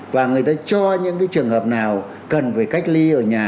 và người ta cho những cái trường hợp nào cần về cách ly ở nhà